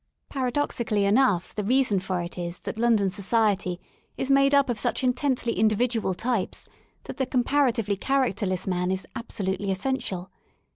Para [ doxically enough the reason for it is that London society is made up of such intensely individual types that the * comparatively characterless man is absolutely essential.